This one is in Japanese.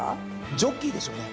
ジョッキーでしょうね。